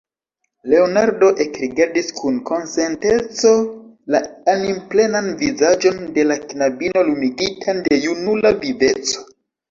Leonardo ekrigardis kun konsenteco la animplenan vizaĝon de la knabino, lumigitan de junula viveco.